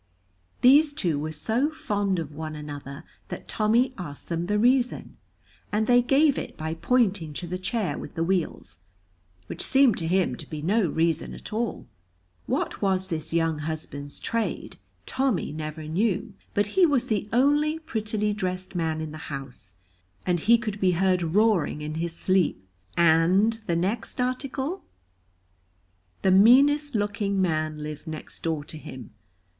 These two were so fond of one another that Tommy asked them the reason, and they gave it by pointing to the chair with the wheels, which seemed to him to be no reason at all. What was this young husband's trade Tommy never knew, but he was the only prettily dressed man in the house, and he could be heard roaring in his sleep, "And the next article?" The meanest looking man lived next door to him.